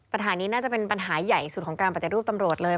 ปัญหานี้น่าจะเป็นปัญหาใหญ่สุดของการปฏิรูปตำรวจเลย